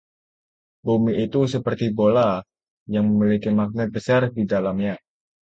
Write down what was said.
Bumi itu seperti bola yang memiliki magnet besar di dalamnya.